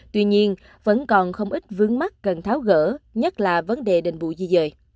tuy nhiên vẫn còn không ít vướng mắt gần tháo gỡ nhất là vấn đề đền bù di dời